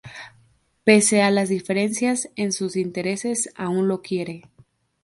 Pese a las diferencias en sus intereses aun lo quiere.